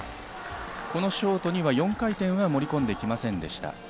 このショートには４回転は盛り込んできませんでした。